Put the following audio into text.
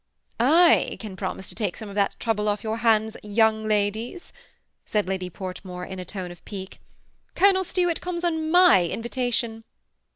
^ I can promise to take some of that trouble off your THE SEMI ATTACHED COUPLE. 129 hands, young ladies," said Lady Portmore, in a tone of pique. " Colonel Stuart comes on my invitation."